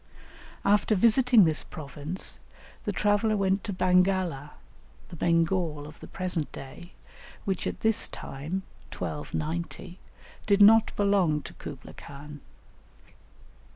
After visiting this province, the traveller went to Bangala, the Bengal of the present day, which at this time, 1290, did not belong to Kublaï Khan.